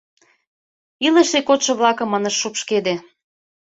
— Илыше кодшо-влакым ынышт шупшкеде.